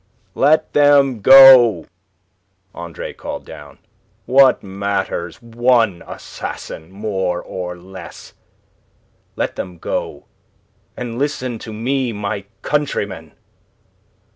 "Let them go!" Andre Louis called down... "What matters one assassin more or less? Let them go, and listen to me, my countrymen!"